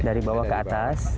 dari bawah ke atas